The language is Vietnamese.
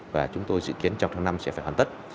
và chúng tôi dự kiến trong tháng năm sẽ phải hoàn tất